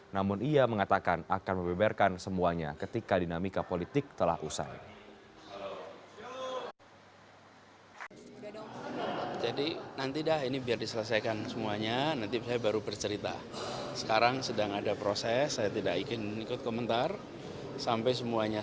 namun ia mengatakan akan membeberkan semuanya ketika dinamika politik telah usai